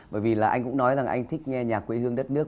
bởi vì là anh cũng nói rằng anh thích nghe nhạc quê hương đất nước